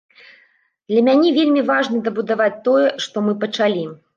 Для мяне вельмі важна дабудаваць тое, што мы пачалі.